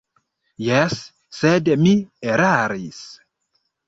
Jes, sed mi eraris.